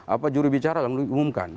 apa juri bicara langsung diumumkan